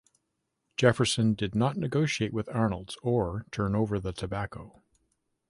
Jefferson did not negotiate with Arnolds or turn over the tobacco.